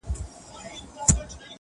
• ددې نړۍ وه ښايسته مخلوق ته؛